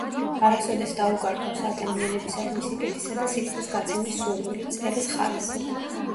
არასოდეს დაუკარგავს ადამიანებისადმი სიკეთისა და სითბოს გაცემის სურვილი, წერის ხალისი.